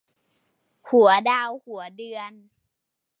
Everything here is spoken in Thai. หัวดาวหัวเดือน